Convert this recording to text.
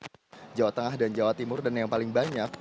di jawa tengah dan jawa timur dan yang paling banyak